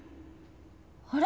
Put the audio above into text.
あれ？